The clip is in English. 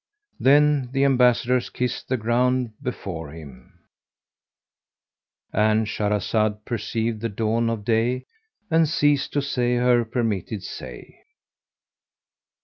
Then the Ambassadors kissed the ground before him,—And Shahrazad perceived the dawn of day and ceased to say her permitted say.